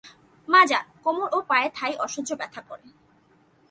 মাজা, কোমর ও পায়ের থাই অসহ্য ব্যথা করে।